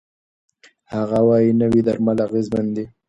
هغه وايي، نوي درمل اغېزمن دي.